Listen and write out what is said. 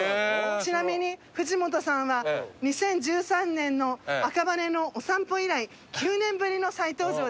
ちなみに藤本さんは２０１３年の赤羽のお散歩以来９年ぶりの再登場です。